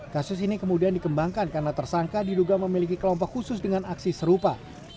kasus ini kemudian dikembangkan karena tersangka diduga memiliki kelompok khusus dengan aksi serupa